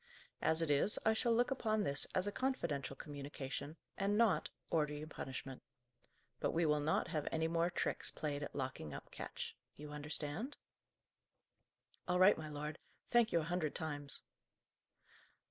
As it is, I shall look upon this as a confidential communication, and not order you punishment. But we will not have any more tricks played at locking up Ketch. You understand?" "All right, my lord. Thank you a hundred times."